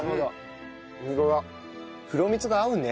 黒蜜が合うね。